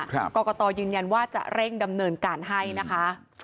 กรกตยืนยันว่าจะเร่งดำเนินการให้นะคะ